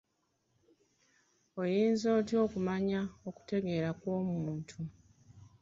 Oyinza otya okumanya okutegeera kw'omuntu?